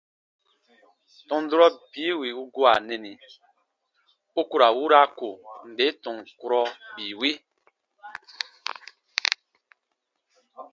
Tɔn durɔ bii wì u gua nɛni u ku ra wura ko nde tɔn kurɔ bii wi.